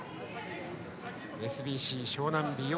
ＳＢＣ湘南美容